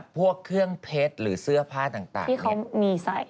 พวกเครื่องเพชรหรือเสื้อผ้าต่างเนี่ย